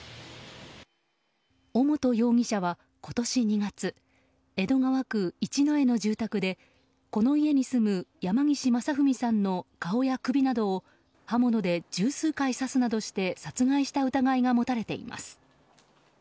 尾本容疑者は今年２月江戸川区一之江の住宅でこの家に住む山岸正文さんの顔や首などを刃物で十数回刺すなどして殺害した疑いが持たれています。